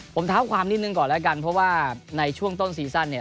ผมเท้าความนิดนึงก่อนแล้วกันเพราะว่าในช่วงต้นซีซั่นเนี่ย